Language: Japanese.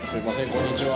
こんにちは。